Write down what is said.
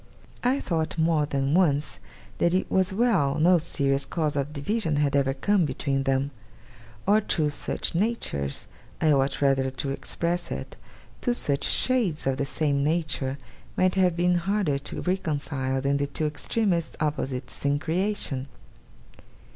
I thought, more than once, that it was well no serious cause of division had ever come between them; or two such natures I ought rather to express it, two such shades of the same nature might have been harder to reconcile than the two extremest opposites in creation.